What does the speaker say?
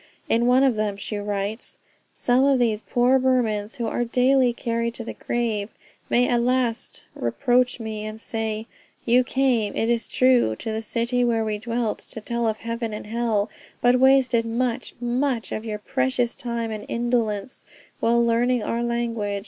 In one of them she writes: "Some of these poor Burmans, who are daily carried to the grave, may at last reproach me and say, you came, it is true, to the city where we dwelt, to tell of heaven and hell, but wasted much, much of your precious time in indolence while learning our language.